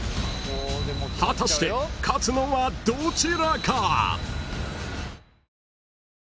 ［果たして勝つのはどちらか？］